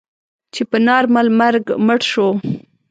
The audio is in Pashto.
چې په نارمل مرګ مړ شو.